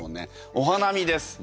「お花見です」って。